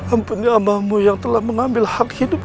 ampunilah ya allah yang telah mengambil hak hidup